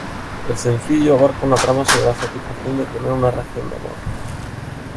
El sencillo abarca una trama sobre la satisfacción de tener una reacción de amor.